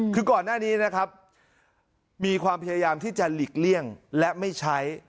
คือก่อนหน้านี้นะครับมีความพยายามที่จะหลีกเลี่ยงและไม่ใช้